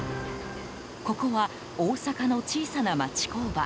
ここは、大阪の小さな町工場。